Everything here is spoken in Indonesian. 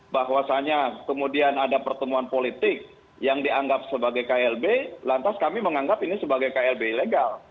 bahwasannya kemudian ada pertemuan politik yang dianggap sebagai klb lantas kami menganggap ini sebagai klb ilegal